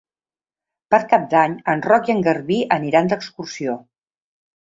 Per Cap d'Any en Roc i en Garbí aniran d'excursió.